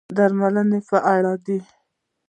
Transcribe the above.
درملنې په اړه دي.